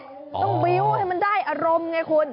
ต้องบิ้วให้มันได้อารมณ์ไงคุณ